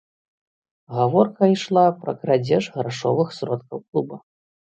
Гаворка ішла пра крадзеж грашовых сродкаў клуба.